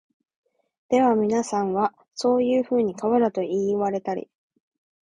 ではみなさんは、そういうふうに川だと云いわれたり、